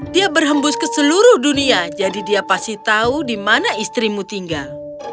dia berhembus ke seluruh dunia jadi dia pasti tahu di mana istrimu tinggal